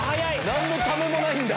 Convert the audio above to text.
何のためもないんだ。